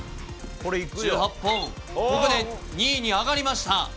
ここで２位に上がりました！